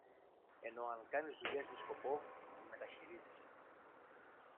ενώ αν κάνεις δουλειές με σκοπό, τη μεταχειρίζεσαι.